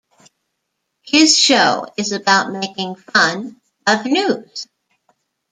His show is about making fun of news.